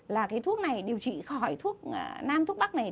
là cái thuốc này điều trị khỏi thuốc nam thuốc bắc này